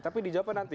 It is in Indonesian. tapi dijawabkan nanti